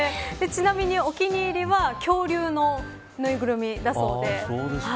ちなみに、お気に入りは恐竜のぬいぐるみだそうです。